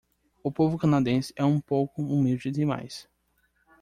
O povo canadense é um pouco humilde demais.